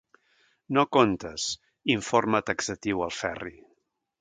No comptes –informa taxatiu el Ferri.